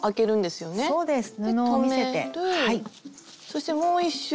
そしてもう一周。